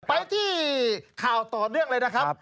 ไปที่สถานที่สี่ข่าวต่อเรื่องเลยนะครับ